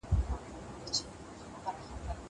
دا نان له هغه تازه دی.